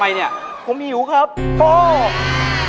ไม่มีอะไรของเราเล่าส่วนฟังครับพี่